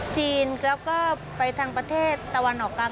จีนแล้วก็ไปทางประเทศตะวันออกกลาง